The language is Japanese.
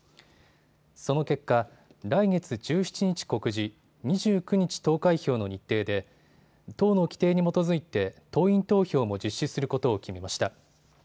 その結果、来月１７日告示、２９日投開票の日程で党の規程に基づいて党員投票も実施することを決めました。